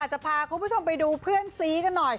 จะพาคุณผู้ชมไปดูเพื่อนซีกันหน่อย